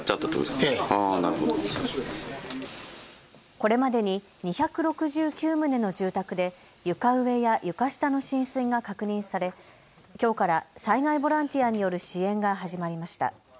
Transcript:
これまでに２６９棟の住宅で床上や床下の浸水が確認されきょうから災害ボランティアによる支援が始まりました。